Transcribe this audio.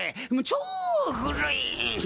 超古い。